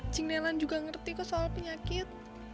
cing nelan juga ngerti kok soal penyakit